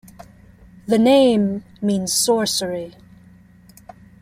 The name means sorcery.